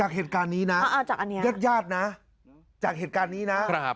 จากเหตุการณ์นี้นะยัดนะจากเหตุการณ์นี้นะ